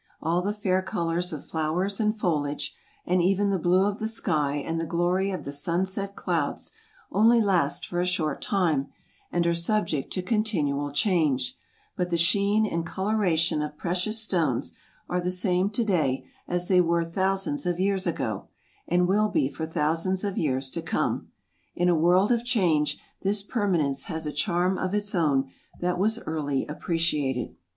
All the fair colors of flowers and foliage, and even the blue of the sky and the glory of the sunset clouds, only last for a short time, and are subject to continual change, but the sheen and coloration of precious stones are the same to day as they were thousands of years ago and will be for thousands of years to come. In a world of change, this permanence has a charm of its own that was early appreciated.